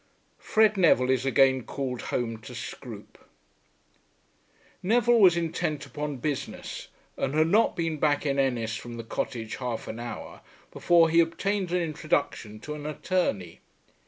FRED NEVILLE IS AGAIN CALLED HOME TO SCROOPE. Neville was intent upon business, and had not been back in Ennis from the cottage half an hour before he obtained an introduction to an attorney.